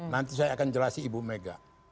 nanti saya akan jelasi ibu mega